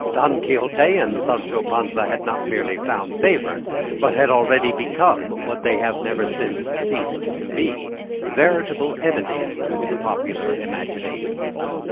Don Quixote and Sancho Panza had not merely found favour, but had already become, what they have never since ceased to be, veritable entities to the popular imagination.